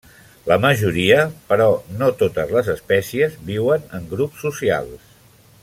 La majoria, però no totes les espècies, viuen en grups socials.